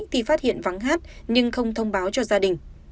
thì phát hiện vắng hát nhưng không thông báo cho gia đình